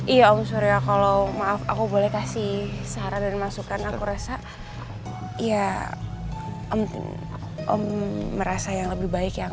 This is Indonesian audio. iya om surya kalau maaf aku boleh kasih saran dan masukan aku rasa ya om merasa yang lebih baik ya